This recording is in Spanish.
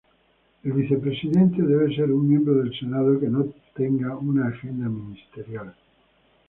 El vicepresidente debe ser un miembro del Senado que no tenga una agenda ministerial.